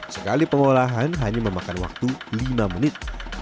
sekali pengolahan hanya memakan waktu lima menit